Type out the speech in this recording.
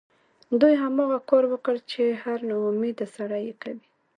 دوی هماغه کار وکړ چې هر ناامیده سړی یې کوي